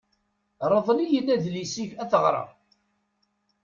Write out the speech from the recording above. Rḍel-iyi-d adlis-ik ad t-ɣreɣ.